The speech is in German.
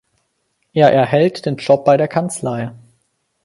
Er erhält den Job bei der Kanzlei.